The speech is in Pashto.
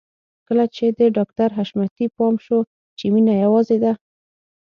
کله چې د ډاکټر حشمتي پام شو چې مينه يوازې ده.